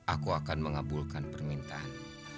aku akan mengabulkan permintaan